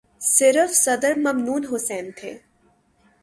صرف صدر ممنون حسین تھے۔